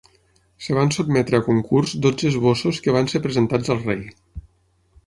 Es van sotmetre a concurs dotze esbossos que van ser presentats al rei.